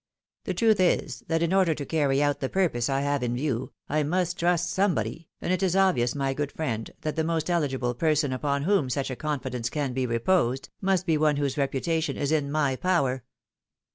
The truth is, that in order to carry out the purpose I have in view, I must trust somebody, and it is obvious, my good friend, that the most eligible person upon whom such con fidence can be reposed, must be one whose reputation is in my power.